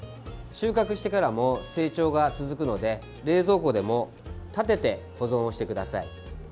収穫してからも成長が続くので冷蔵庫でも立てて保存をしてください。